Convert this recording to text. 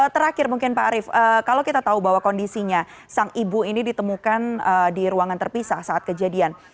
terakhir mungkin pak arief kalau kita tahu bahwa kondisinya sang ibu ini ditemukan di ruangan terpisah saat kejadian